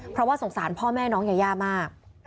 เพราะว่าสงสารพ่อแม่น้องยายามาก